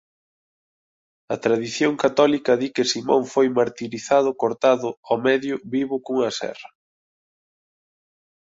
A tradición católica di que Simón foi martirizado cortado ao medio vivo cunha serra.